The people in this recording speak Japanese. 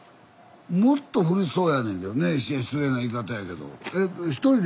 もっと古そうやねんけどね失礼な言い方やけど。